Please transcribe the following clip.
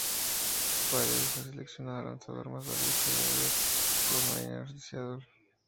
Paredes fue seleccionado Lanzador Más Valioso de Everett por los Marineros de Seattle.